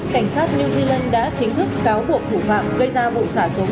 cảnh sát new zealand đã chính thức cáo buộc thủ phạm gây ra vụ xả súng